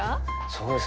そうですね